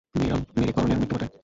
মেয়েরা মেরে করণের মৃত্যু ঘটায়।